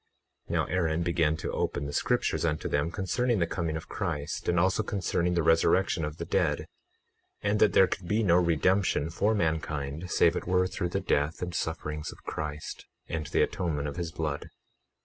21:9 Now Aaron began to open the scriptures unto them concerning the coming of Christ, and also concerning the resurrection of the dead, and that there could be no redemption for mankind save it were through the death and sufferings of Christ, and the atonement of his blood.